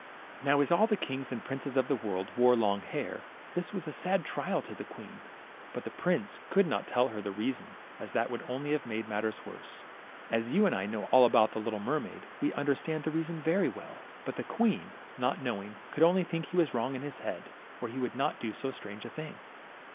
Now as all the kings and princes of the world wore long hair, this was a sad trial to the queen, but the prince could not tell her the reason, as that would only have made the matter worse. As you and I know all about the little mermaid, we understand the reason very well ; but the queen, not knowing, could only think he was wrong in his head, or he would not do so strange a thing.